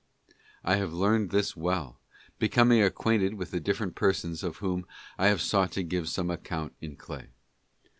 I have learned this well, becom ing acquainted with the different persons of whom I have sought to give some account in clay.